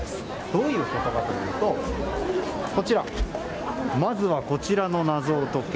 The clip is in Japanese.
どういうことかというとまずは、こちらの謎を解け。